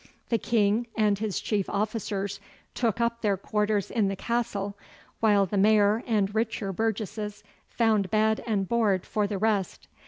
The King and his chief officers took up their quarters in the Castle, while the Mayor and richer burgesses found bed and board for the rest.